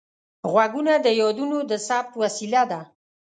غوږونه د یادونو د ثبت وسیله ده